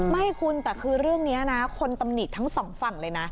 ไม่คุณแต่คือเรื่องนี้นะคนตำหนิทั้งสองฝั่งเลยนะ